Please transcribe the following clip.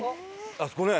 あそこね。